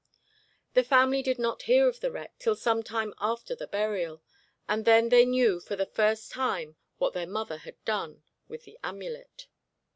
The family did not hear of the wreck till some time after the burial, and then they knew for the first time what their mother had done with the amulet.